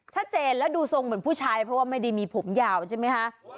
ชัดเจนแล้วดูทรงเหมือนผู้ชายเพราะว่าไม่ได้มีผมยาวใช่ไหมคะ